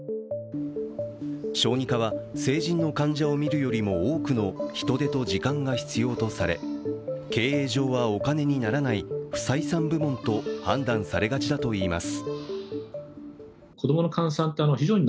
小児科は成人の患者を診るよりも多くの人手と時間が必要とされ経営上はお金にならない不採算部門と判断されがちだといいます。